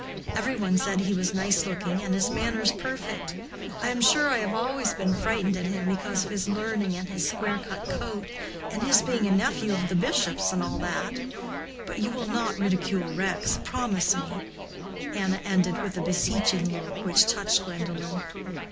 Every one said he was nice looking, and his manners perfect. I am sure I have always been frightened at him because of his learning and his square cut coat, and his being a nephew of the bishop's, and all that. But you will not ridicule Rex—promise me." Anna ended with a beseeching look which touched Gwendolen.